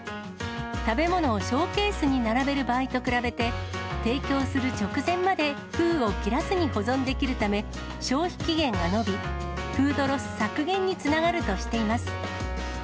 食べ物をショーケースに並べる場合と比べて、提供する直前まで封を切らずに保存できるため、消費期限が延び、フードロス削減につながるとしています。